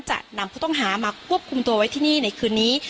จะนำผู้ต้องหามาควบคุมตัวไว้ที่นี่ในคืนนี้